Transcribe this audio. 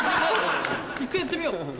１回やってみよう。